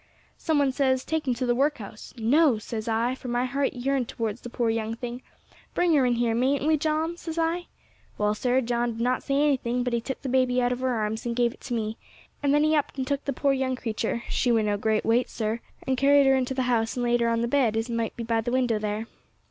Some one says, 'Take them to the workhouse.' 'No!' says I for my heart yearned towards the poor young thing 'bring her in here; mayn't we, John?' says I. Well, sir, John did not say nothing, but he took the baby out of her arms and gave it to me, and then he upped and took the poor young creature she were no great weight, sir and carried her into the house, and laid her on the bed, as it might be by the window there.